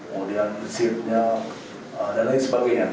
kemudian seatnya dan lain sebagainya